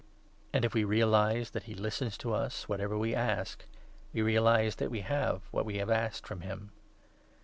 And if 15 we realize that he listens to us — whatever we ask — we realize that we have what we have asked from him.